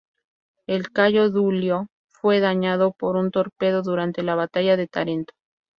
El "Caio Duilio" fue dañado por un torpedo durante la Batalla de Tarento.